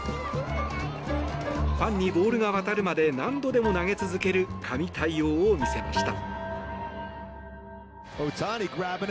ファンにボールが渡るまで何度でも投げ続ける神対応を見せました。